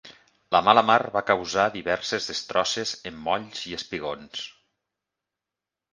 La mala mar va causar diverses destrosses en molls i espigons.